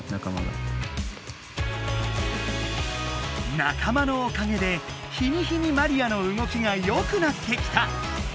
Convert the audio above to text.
仲間のおかげで日に日にマリアの動きがよくなってきた。